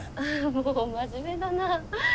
もう真面目だなあ。